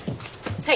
はい。